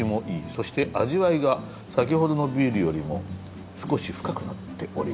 そして味わいが先ほどのビールよりも少し深くなっておりますね。